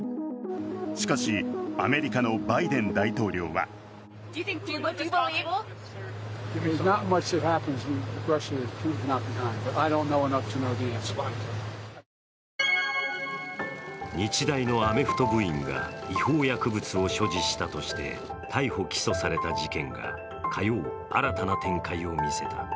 しかし、アメリカのバイデン大統領は日大のアメフト部員が違法薬物を所持したとして逮捕・起訴された事件が火曜、新たな展開を見せた。